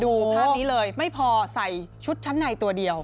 ภาพนี้เลยไม่พอใส่ชุดชั้นในตัวเดียว